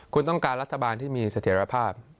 คุณต้องการรัฐบาลที่มีเสถียรภาพ